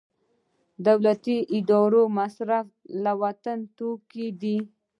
د دولتي ادارو مصرف له وطني توکو دی